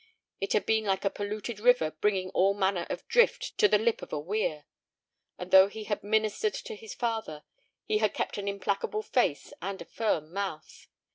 It had been like a polluted river bringing all manner of drift to the lip of a weir. And though he had ministered to his father, he had kept an implacable face and a firm mouth.